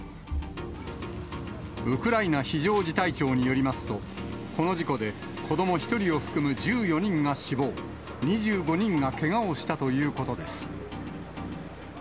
ウクライナ非常事態庁によりますと、この事故で子ども１人を含む１４人が死亡、２５人がけがをしたということです。